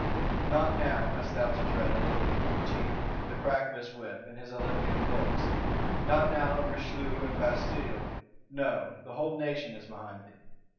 Not now hast thou to dread a Louis XIV., with the crack of his whip, and his Olympian looks; not now a Richelieu and Bastilles: no, the whole Nation is behind thee.